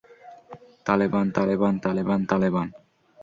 Taliban, Taliban, Taliban, Taliban.